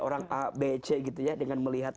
orang a b c gitu ya dengan melihat